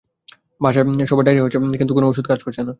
বাসায় সবার ডায়রিয়া হয়েছে কিন্তু কোন ওষুধ কাজ করছে না।